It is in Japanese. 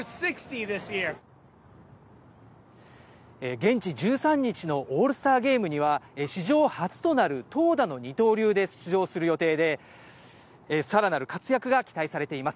現地１３日のオールスターゲームには、史上初となる投打の二刀流で出場する予定で、さらなる活躍が期待されています。